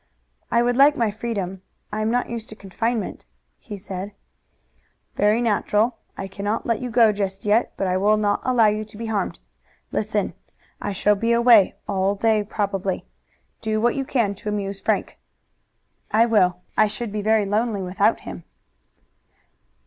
"I would like my freedom. I am not used to confinement," he said. "Very natural. I cannot let you go just yet, but I will not allow you to be harmed. Listen! I shall be away all day probably. Do what you can to amuse Frank." "I will. I should be very lonely without him."